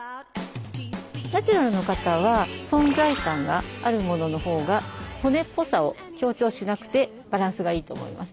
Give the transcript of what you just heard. ナチュラルの方は存在感があるもののほうが骨っぽさを強調しなくてバランスがいいと思います。